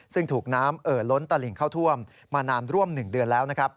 ซึ่งถูกน้ำเอ๋อล้นตลิ่งเข้าท่วมมาน้ำร่วม๑เดือนแล้ว